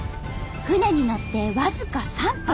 船に乗って僅か３分。